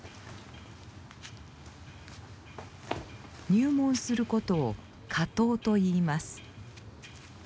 入門することを「掛搭」といいます。